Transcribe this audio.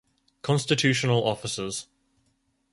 Constitutional Officers